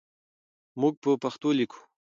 موږ په پښتو لیکو.